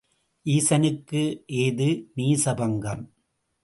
ஈசனுக்கு ஏது நீச பங்கம்?